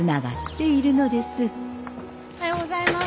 おはようございます。